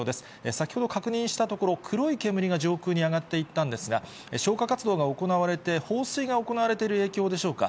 先ほど確認したところ、黒い煙が上空に上がっていったんですが、消火活動が行われて、放水が行われている影響でしょうか。